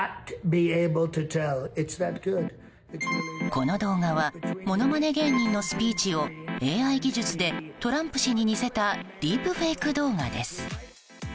この動画はものまね芸人のスピーチをＡＩ技術でトランプ氏に似せたディープフェイク動画です。